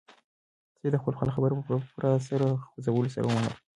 سعید د خپل پلار خبره په پوره سر خوځولو سره ومنله.